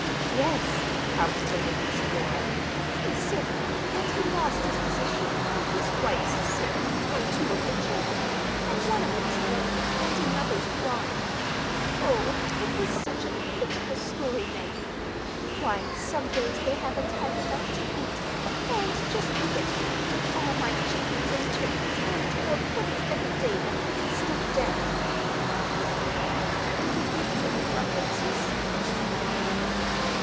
"Yes," palpitated Miss Flora. "He's sick, and he lost his position, and his wife's sick, and two of the children, and one of 'em's lame, and another's blind. Oh, it was such a pitiful story, Maggie! Why, some days they haven't had enough to eat—and just look at me, with all my chickens and turkeys and more pudding every day than I can stuff down!" "Did he give you any references?"